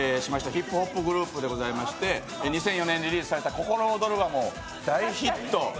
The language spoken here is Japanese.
ヒップホップグループでございまして２００４年にリリースされたた「ココロオドル」は大ヒット